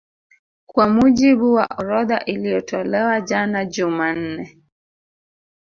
Kwa mujibu wa orodha iliyotolewa jana Jumanne